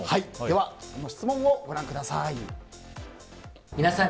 では、その質問をご覧ください。